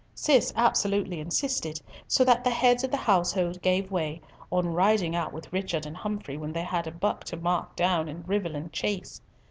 Cis absolutely insisted, so that the heads of the household gave way, on riding out with Richard and Humfrey when they had a buck to mark down in Rivelin Chase.